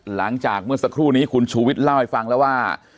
หลังจากเมื่อสักครู่นี้คุณชูวิทย์เล่าให้ฟังแล้วว่า